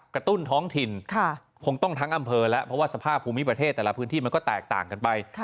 กระตุ้นท้องถิ่นคงต้องทั้งอำเภอแล้วเพราะว่าสภาพภูมิประเทศแต่ละพื้นที่มันก็แตกต่างกันไป